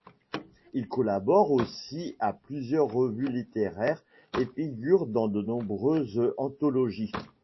Il collabore aussi à plusieurs revues littéraires et figure dans de nombreuses anthologies.